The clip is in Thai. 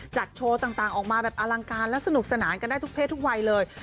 จัดโชว์ต่างออกมาแบบอลังการและสนุกสนานกันได้ทุกเพศทุกวัยเลย